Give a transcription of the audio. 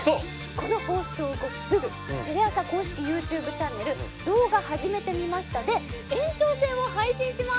この放送後すぐテレ朝公式ＹｏｕＴｕｂｅチャンネル「動画、はじめてみました」で延長戦を配信します！